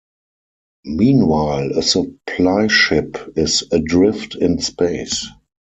Meanwhile, a Supply Ship is adrift in space.